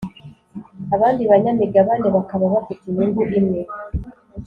Abandi banyamigabane bakaba bafite inyungu imwe